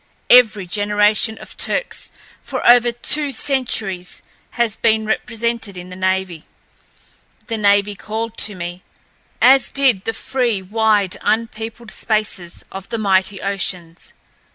Every generation of Turcks for over two centuries has been represented in the navy. The navy called to me, as did the free, wide, unpeopled spaces of the mighty oceans.